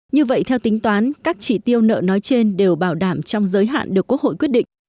như vậy theo tính toán các chỉ tiêu nợ nói trên đều bảo đảm trong giới hạn được quốc hội quyết định